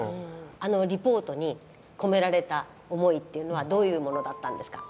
あのリポートに込められた思いっていうのはどういうものだったんですか？